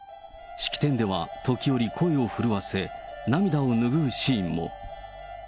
式典では、時折、声を震わせ、涙を拭うシーンも。